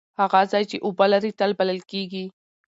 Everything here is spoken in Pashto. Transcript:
هغه ځای چې اوبه لري تل بلل کیږي.